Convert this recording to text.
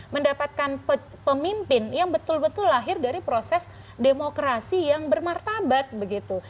mendapatkan pemimpin yang betul betul lahir dari proses demokrasi yang bermartabat begitu